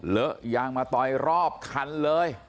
เลอะยางมาต่อยรอบคันเลย